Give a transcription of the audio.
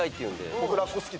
僕ラッコ好きで。